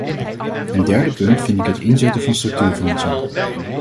Een derde punt vind ik het inzetten van structuurfondsen.